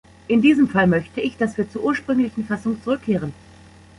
In diesem Fall möchte ich, dass wir zur ursprünglichen Fassung zurückkehren.